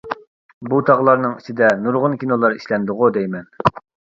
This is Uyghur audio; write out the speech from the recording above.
بۇ تاغلارنىڭ ئىچىدە نۇرغۇن كىنولار ئىشلەندىغۇ دەيمەن.